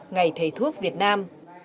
ngày thầy thuốc việt nam